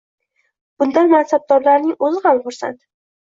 Bundan mansabdorlarning o‘zi ham xursand.